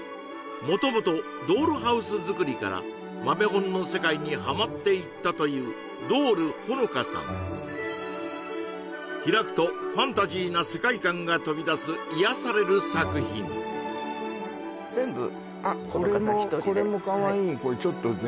元々ドールハウス作りから豆本の世界にハマっていったというどーる・ＨＯＮＯＫＡさん開くとファンタジーな世界観が飛び出す癒やされる作品全部ＨＯＮＯＫＡさん１人であっこれもこれちょっとね